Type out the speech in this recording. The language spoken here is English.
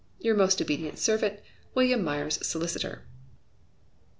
Your most obedient servant, WM. MYERS, Solicitor."